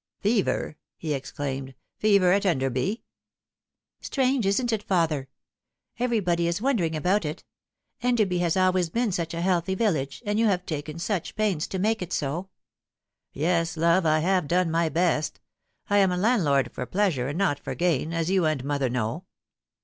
" Fever P' he exclaimed, " fever at Enderby I" " Strange, isn't it, father ? Everybody is wondering about 40 The Fatal Three. it. Enderby has always been such a healthy village, and you have taken such pains to make it so." " Yes, love, I have done my best. I am a landlord for plea sure and not for gain, as you and mother know."